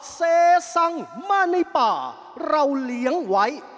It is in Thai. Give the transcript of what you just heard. เซซังมาในป่าเราเลี้ยงไว้